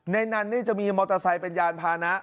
ในนั้นนี่จะมีมอเตอร์ไซค์เป็นยานพานะ